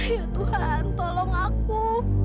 ya tuhan tolong aku